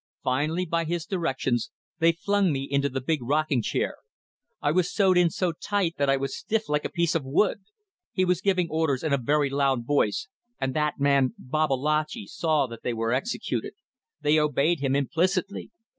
"Finally, by his directions, they flung me into the big rocking chair. I was sewed in so tight that I was stiff like a piece of wood. He was giving orders in a very loud voice, and that man Babalatchi saw that they were executed. They obeyed him implicitly.